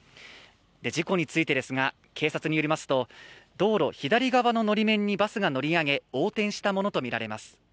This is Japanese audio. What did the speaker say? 事故についてですが警察によりますと警察によりますと道路左側ののり面にバスが乗り上げ横転したものとみられます。